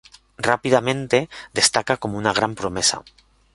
Rápidamente destaca como una gran promesa.